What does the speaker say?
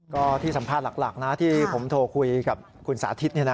ก็ที่สัมภาษณ์หลักนะที่ผมโทรคุยกับคุณสาธิต